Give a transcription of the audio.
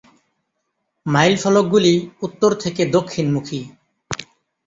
মাইলফলক গুলি উত্তর থেকে দক্ষিণমুখী